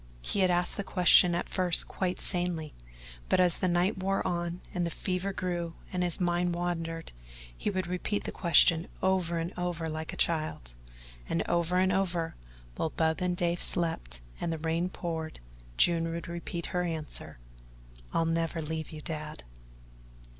He had asked the question at first quite sanely, but as the night wore on and the fever grew and his mind wandered, he would repeat the question over and over like a child, and over and over, while Bub and Dave slept and the rain poured, June would repeat her answer: "I'll never leave you, Dad."